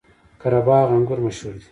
قره باغ انګور مشهور دي؟